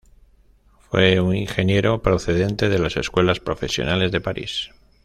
Fue un ingeniero procedente de las Escuelas profesionales de París.